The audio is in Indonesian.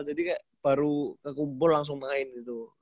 jadi kayak baru ke kumpul langsung main gitu